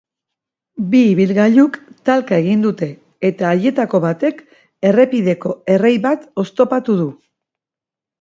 Bi ibilgailuk talka egin dute eta haietako batek errepideko errei bat oztopatu du.